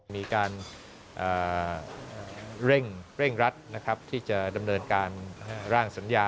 มีการเร่งรัดที่จะดำเนินการร่างเซ็นสัญญา